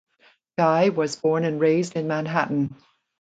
Guy was born and raised in Manhattan.